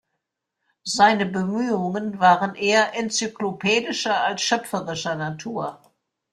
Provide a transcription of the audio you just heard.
Seine Bemühungen waren eher enzyklopädischer als schöpferischer Natur.